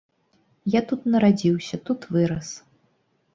Я тут нарадзіўся, тут вырас.